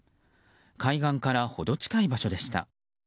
海岸から程近い場所でした。